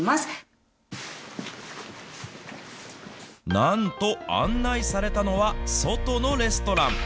なんと、案内されたのは、外のレストラン。